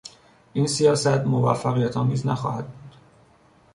این سیاست موفقیتآمیز نخواهد بود.